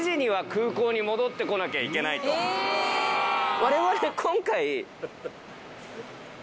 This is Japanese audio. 我々今回。